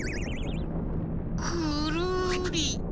くるり。